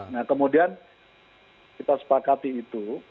nah kemudian kita sepakati itu